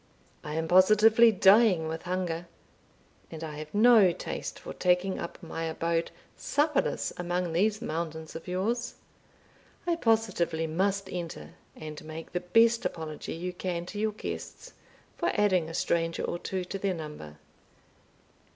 I am positively dying with hunger, and I have no taste for taking up my abode supperless among these mountains of yours. I positively must enter; and make the best apology you can to your guests for adding a stranger or two to their number.